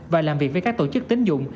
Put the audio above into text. và làm việc với các tổ chức tính dụng